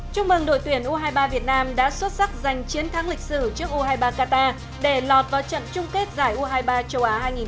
chúc mừng đội tuyển u hai mươi ba việt nam đã xuất sắc giành chiến thắng lịch sử trước u hai mươi ba qatar để lọt vào trận chung kết giải u hai mươi ba châu á hai nghìn hai mươi